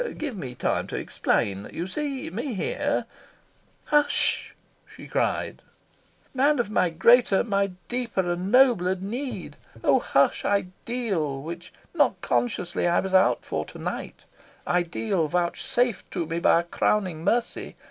"Give me time to explain. You see me here " "Hush," she cried, "man of my greater, my deeper and nobler need! Oh hush, ideal which not consciously I was out for to night ideal vouchsafed to me by a crowning mercy!